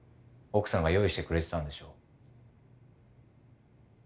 奥さんが用意してくれてたんでしょう。